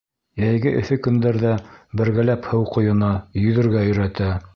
Йәйге эҫе көндәрҙә бергәләп һыу ҡойона, йөҙөргә өйрәтә.